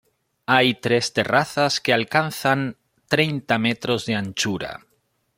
Hay tres terrazas que alcanzan treinta metros de anchura.